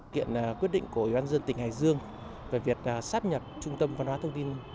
kiện quyết định của ủy ban dân tỉnh hải dương về việc sắp nhập trung tâm văn hóa thông tin